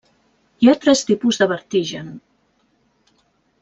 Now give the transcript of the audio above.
Hi ha tres tipus de vertigen.